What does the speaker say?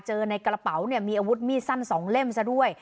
เจอในกระเป๋ามีอาวุธมีดสั้น๒เล่มซะด้วย